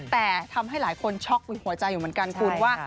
แต่ทำให้หลายคนช็อกหัวใจอยู่เหมือนกันคุณว่า